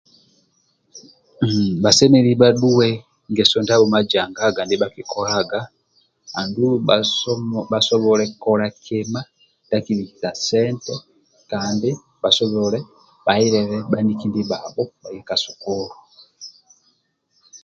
Bhasemelelu bhadhue ngeso ndiabho majangaga ndibhakikolaga andulu bhasobole kola kima ndia akibikisa sente andulu bhasobole helelela bhaniki ndibhabho bhaye ka sukulu